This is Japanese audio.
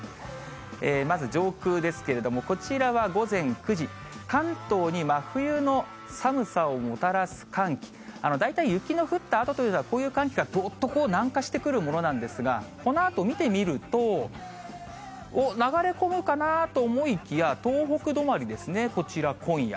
まず、上空ですけれども、こちらは午前９時、関東に真冬の寒さをもたらす寒気。大体雪の降ったあとというのは、こういう寒気がどっと南下してくるものなんですが、このあと見てみると、おっ、流れ込むかなと思いきや、東北止まりですね、こちら、今夜。